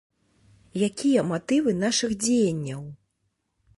Якія матывы нашых дзеянняў?